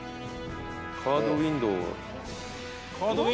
カード・ウインドウ。